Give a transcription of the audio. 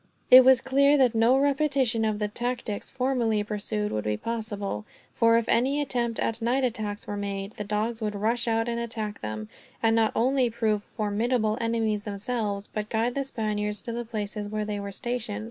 It was clear that no repetition of the tactics formerly pursued would be possible; for if any attempt at night attacks were made, the dogs would rush out and attack them; and not only prove formidable enemies themselves, but guide the Spaniards to the places where they were stationed.